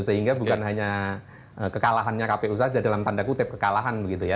sehingga bukan hanya kekalahannya kpu saja dalam tanda kutip kekalahan begitu ya